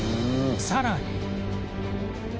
さらに